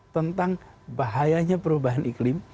tentang bahayanya perubahan iklim